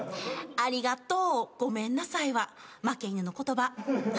「ありがとう」「ごめんなさい」は負け犬の言葉。